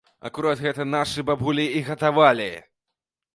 Акурат гэта нашы бабулі і гатавалі!